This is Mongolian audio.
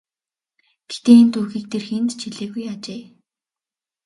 Гэхдээ энэ түүхийг тэр хэнд ч хэлээгүй ажээ.